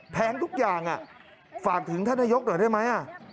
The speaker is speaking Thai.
แพงทุกอย่างฝากถึงท่านนายกหน่อยได้ไหม